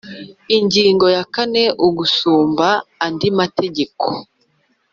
Ingingo ya kane Ugusumba andi mategeko